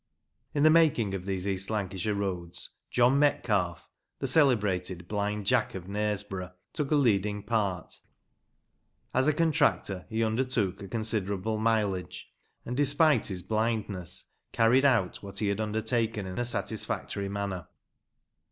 In the making of these East Lancashire roads, John Metcalfe, the celebrated "Blind Jack of Knaresborough," took a leading part. As a contractor he undertook a considerable mileage, and, despite his blindness, carried out what he had undertaken in a 76 MEMORIALS OF OLD LANCASHIRE satisfactory manner.